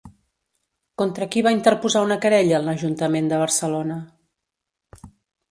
Contra qui va interposar una querella l'Ajuntament de Barcelona?